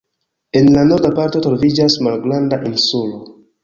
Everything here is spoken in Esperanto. En la norda parto troviĝas malgranda insulo.